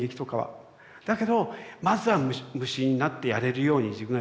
だけどまずは無心になってやれるように自分がやってみる。